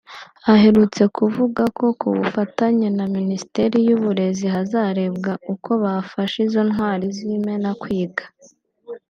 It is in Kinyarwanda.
aherutse kuvuga ko ku bufatanye na Minisiteri y’Uburezi hazarebwa uko bafasha izo ntwari z’Imena kwiga